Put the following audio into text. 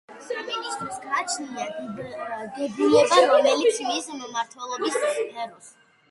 სამინისტროს გააჩნია დებულება, რომელიც მის მმართველობის სფეროს.